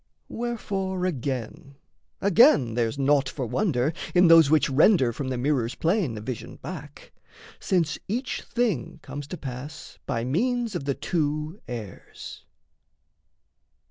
Wherefore again, again, there's naught for wonder In those which render from the mirror's plane A vision back, since each thing comes to pass By means of the two airs.